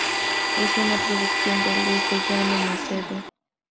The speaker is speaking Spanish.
Es una producción de Luis de Llano Macedo.